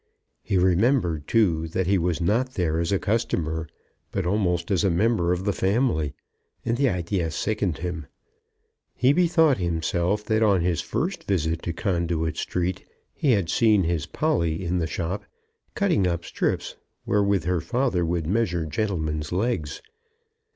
He remembered too that he was not there as a customer, but almost as a member of the family, and the idea sickened him. He bethought himself that on his first visit to Conduit Street he had seen his Polly in the shop, cutting up strips wherewith her father would measure gentlemen's legs.